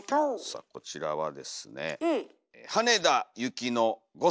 さあこちらはですね